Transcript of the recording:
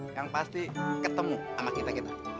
yang pasti ketemu sama kita kita